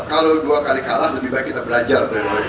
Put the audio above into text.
kalau dua kali kalah lebih baik kita belajar